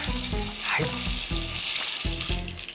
はい。